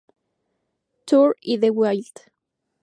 Tour' y 'The Wild!